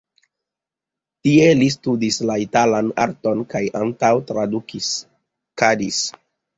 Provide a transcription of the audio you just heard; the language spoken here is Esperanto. Tie li studis la italan arton kaj ankaŭ tradukadis.